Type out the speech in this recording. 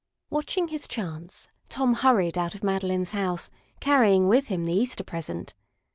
Watching his chance, Tom hurried out of Madeline's house, carrying with him the Easter present.